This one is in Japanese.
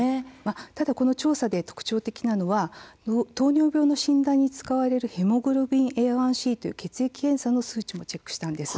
ただこの調査で特徴的なのは、糖尿病の診断で使われるヘモグロビンＡ１ｃという血液の数値もチェックしました。